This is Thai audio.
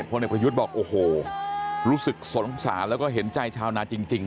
พลเอกประยุทธ์บอกโอ้โหรู้สึกสงสารแล้วก็เห็นใจชาวนาจริง